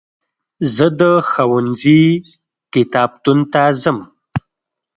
زه د ښوونځي کتابتون ته ځم.